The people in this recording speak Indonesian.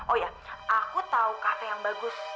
oh ya aku tahu kafe yang bagus